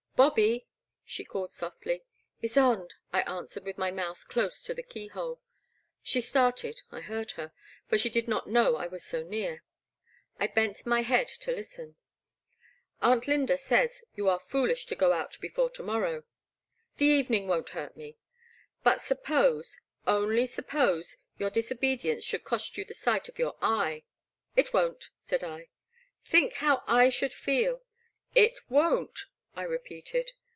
*' Bobby, she called softly. Ysonde, I answered, with my mouth dose to the key hole. She started — I heard her — for she did not know I was so near. I bent my head to listen. 10 146 The Black Water. *' Aunt Lynda says you are foolish to go out before to morrow *'The evening won't hurt me/' But suppose — only suppose your disobedience should cost you the sight of your eye ?'*•* It won't/' said I. Think how I should feel ?"It won't," I repeated.